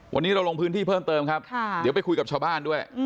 วันนี้เราลงพื้นที่เพิ่มเติมครับเดี๋ยวไปคุยกับชาวบ้านด้วย